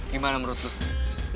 gimana menurut lo